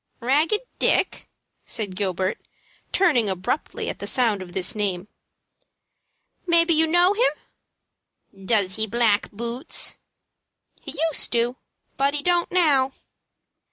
"Ragged Dick!" said Gilbert, turning abruptly at the sound of this name. "Maybe you know him?" "Does he black boots?" "He used to, but he don't now."